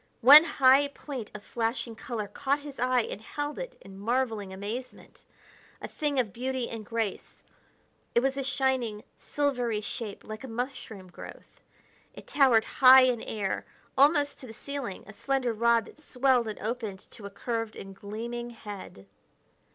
One high point of flashing color caught his eye and held it in marveling amazement. A thing of beauty and grace. It was a shining, silvery shape like a mushroom growth; it towered high in air, almost to the ceiling, a slender rod that swelled and opened to a curved and gleaming head.